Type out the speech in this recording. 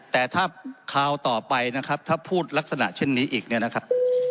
แต่ถ้าคราวต่อไปนะครับถ้าพูดลักษณะเช่นนี้อีกเนี่ยนะครับ